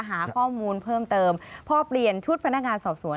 หาข้อมูลเพิ่มเติมพอเปลี่ยนชุดพนักงานสอบสวน